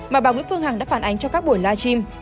mà bà nguyễn phương hằng đã phản ánh cho các buổi live stream